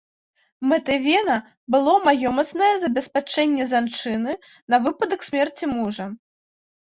Мэтай вена было маёмаснае забеспячэнне жанчыны на выпадак смерці мужа.